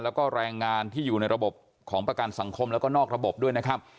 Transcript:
แล้วก็แรงงานที่อยู่ในระบบของประกันสังคมแล้วก็นอกระบบด้วยนะครับ